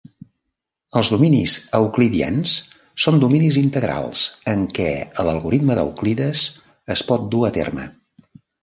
Els dominis euclidians són dominis integrals en què l'algoritme d'Euclides es pot dur a terme.